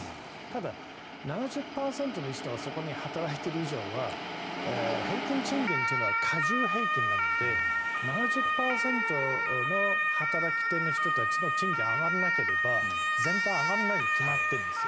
ただ、７０％の人がそこで働いている以上は平均賃金というのは加重平均なので７０％の働き手の人たちの賃金が上がらなければ全体は上がらないに決まっているんです。